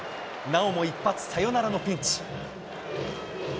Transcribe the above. なおも１発サヨナラのピンチ。